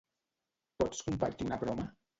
Pots compartir una broma?